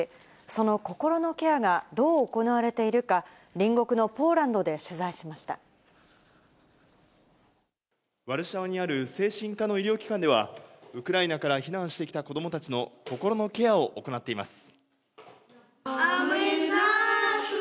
その心のケアがどう行われているか、隣国のポーランドで取材しまワルシャワにある精神科の医療機関では、ウクライナから避難してきた子どもたちの心のケアを行っています。